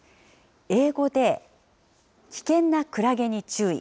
英語で、危険なクラゲに注意！